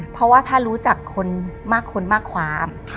เพราะว่าถ้ารู้จักคนมากคนมากความ